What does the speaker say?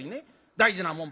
大事なもん